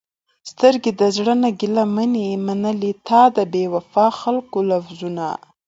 سترګې د زړه نه ګېله منې، منلې تا د بې وفاء خلکو لوظونه